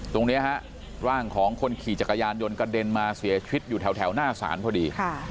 ตรงนี้ฮะร่างของคนขี่จักรยานยนต์กระเด็นมาเสียชีวิตอยู่แถวหน้าศาลพอดี